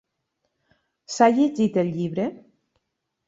S'ha llegit el llibre?